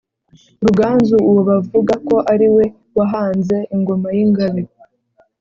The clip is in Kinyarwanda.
ruganzu uwo bavuga ko ari we wahanze ingoma y'ingabe